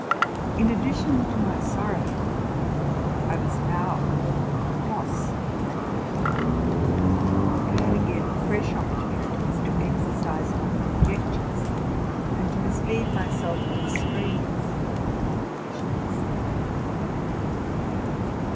In addition to my sorrow, I was now more cross than hitherto, «nd had again fresh opportunities to exercise my conjectures, and to mislead my self into the strangest combinations.